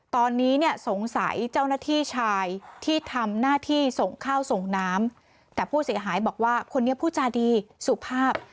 ตอนนี้เนี่ยสงสัยเจ้าหน้าที่ชายที่ทำหน้าที่ส่งข้าวส่งน้ำแต่ผู้เสียหายบอกว่าคนนี้ผู้จาดีสุภาพ